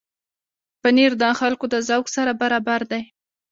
پنېر د خلکو د ذوق سره برابر دی.